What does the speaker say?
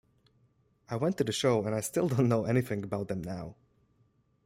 I went to the show, and I still don't know anything about them now.